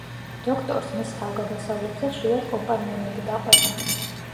დოქტორს მის თავგადასავლებზე ხშირად კომპანიონები დაყვება.